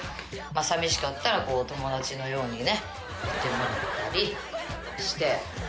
寂しかったら友達のようにねいてもらったりして。